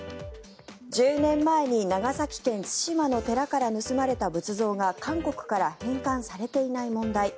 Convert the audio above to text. １０年前に長崎県・対馬の寺から盗まれた仏像が韓国から返還されていない問題。